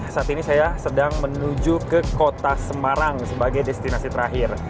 saat ini saya sedang menuju ke kota semarang sebagai destinasi terakhir